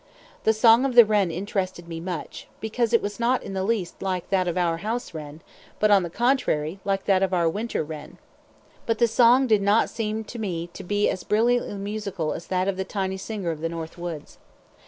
The song of the wren interested me much, because it was not in the least like that of our house wren, but, on the contrary, like that of our winter wren. The theme is the same as the winter wren's, but the song did not seem to me to be as brilliantly musical as that of the tiny singer of the North Woods.